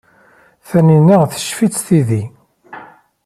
Taninna teccef-itt tidi.